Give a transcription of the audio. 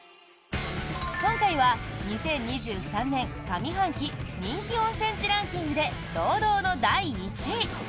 今回は２０２３年上半期人気温泉地ランキングで堂々の第１位！